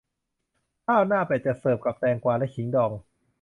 ข้าวหน้าเป็ดจะเสิร์ฟกับแตงกวาและขิงดอง